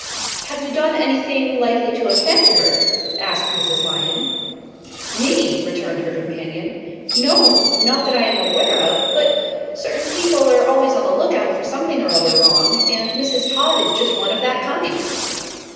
"Have you done any thing likely to offend her?" asked Mrs. Lyon. "Me?" returned her companion. "No, not that I am aware of; but certain people are always on the lookout for something or other wrong, and Mrs. Todd is just one of that kind."